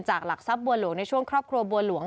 หลักทรัพย์บัวหลวงในช่วงครอบครัวบัวหลวง